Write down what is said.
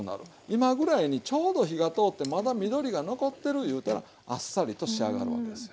今ぐらいにちょうど火が通ってまだ緑が残ってるいうたらあっさりと仕上がるわけですよ。